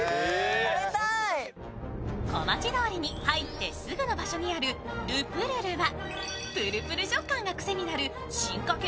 小町通りに入ってすぐの場所にあるＬｅｐｕｒｕｒｕはぷるぷる食感が癖になる進化系